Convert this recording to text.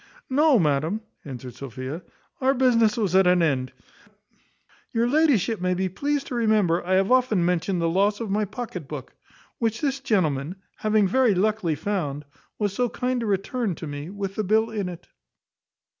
"No, madam," answered Sophia, "our business was at an end. Your ladyship may be pleased to remember I have often mentioned the loss of my pocket book, which this gentleman, having very luckily found, was so kind to return it to me with the bill in it."